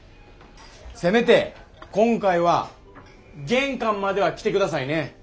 せめて今回は玄関までは来てくださいね。